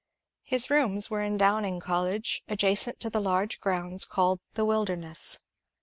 His rooms were in Downing College, adjacent to the large grounds called the " Wilderness."